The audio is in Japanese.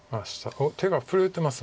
おっ手が震えてます。